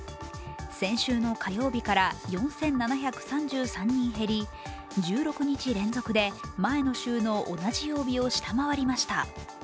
先週の火曜日から４７３３人減り１６日連続で前の週の同じ曜日を下回りました。